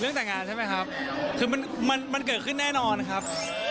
แต่งงานใช่ไหมครับคือมันมันเกิดขึ้นแน่นอนครับ